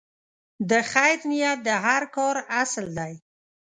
د خیر نیت د هر کار اصل دی.